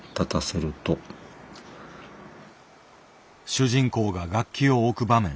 主人公が楽器を置く場面。